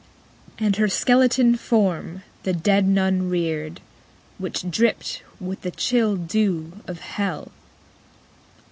_85 16. And her skeleton form the dead Nun reared Which dripped with the chill dew of hell.